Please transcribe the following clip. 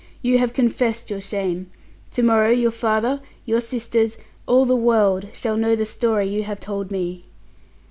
You have confessed your shame. To morrow your father, your sisters, all the world, shall know the story you have told me!"